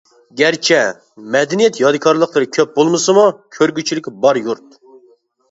گەرچە مەدەنىيەت يادىكارلىقلىرى كۆپ بولمىسىمۇ كۆرگۈچىلىكى بار يۇرت.